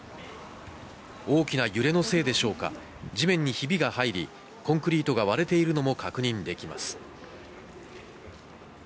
大きな揺れのせいでしょうか、地面にひびが入り、コンクリートが割れているのも確認できます。